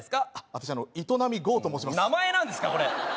私営業と申します名前なんですかこれ！？